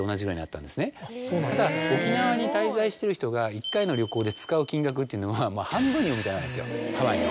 ただ沖縄に滞在してる人が１回の旅行で使う金額っていうのは半分にも満たないんですよハワイの。